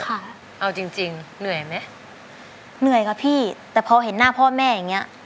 เอาจริงจริงเหนื่อยไหมเหนื่อยค่ะพี่แต่พอเห็นหน้าพ่อแม่อย่างเงี้ย